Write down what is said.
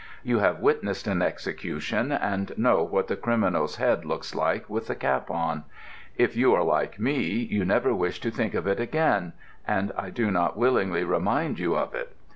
You have witnessed an execution, and know what the criminal's head looks like with the cap on. If you are like me, you never wish to think of it again, and I do not willingly remind you of it.